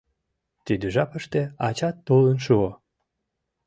Тиде жапыште ачат толын шуо.